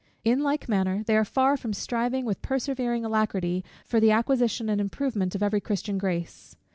In like manner, they are far from striving with persevering alacrity for the acquisition and improvement of every Christian grace.